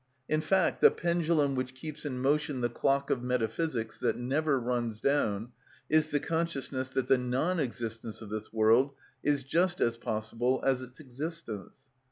In fact, the pendulum which keeps in motion the clock of metaphysics, that never runs down, is the consciousness that the non existence of this world is just as possible as its existence.